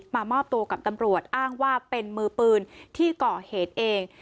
มามอบตัวกับตำรวจอ้างว่าเป็นมือปืนที่ก่อเหตุเอง